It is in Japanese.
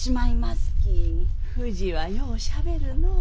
ふじはようしゃべるのう。